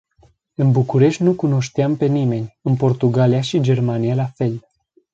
În București nu cunoșteam pe nimeni, în Portugalia și Germania la fel.